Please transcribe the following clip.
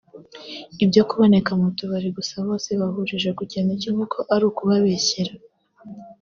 Ibyo kuboneka mu tubari gusa bose bahurije ku kintu kimwe ko ari ukubabeshyera